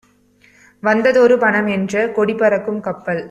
வந்ததொரு பணம்என்ற கொடிபறக்கும் கப்பல்;